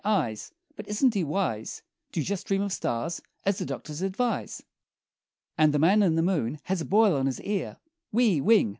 Eyes! But isn't he wise To just dream of stars, as the doctors advise? And The Man in the Moon has a boil on his ear Whee! Whing!